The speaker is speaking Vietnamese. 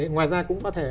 ngoài ra cũng có thể